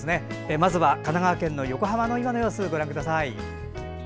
まずは神奈川県の横浜の今の様子ご覧ください。